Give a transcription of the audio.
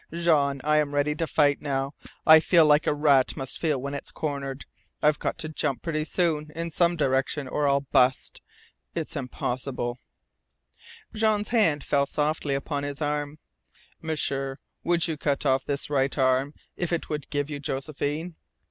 "Jean I'm ready to fight now! I feel like a rat must feel when it's cornered. I've got to jump pretty soon in some direction or I'll bust. It's impossible " Jean's hand fell softly upon his arm. "M'sieur, you would cut off this right arm if it would give you Josephine?"